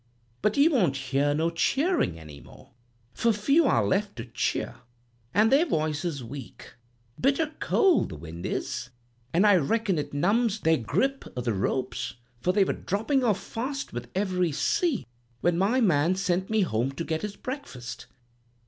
But you won't hear no cheering any more, for few are left to cheer, and their voices weak. Bitter cold the wind is, and I reckon it numbs their grip o' the ropes, for they were dropping off fast with every sea when my man sent me home to get his breakfast.